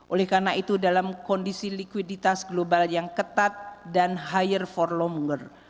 oleh karena itu dalam kondisi likuiditas global yang ketat dan higher for lom wor